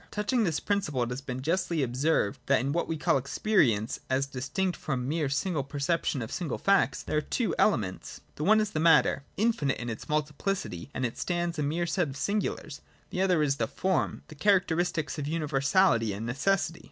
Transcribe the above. J Touching this principle it has been justly ob served that in what we call Experience, as distinct from mere single perception of single facts, there are two elements. The one is the matter, infinite in its multiplicity, and as it stands a mere set of singulars : the other is the form, the characteristics of universality and necessity.